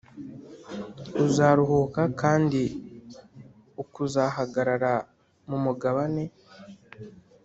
uzaruhuka kandi ukazahagarara mu mugabane